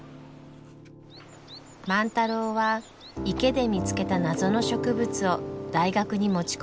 万太郎は池で見つけた謎の植物を大学に持ち込みました。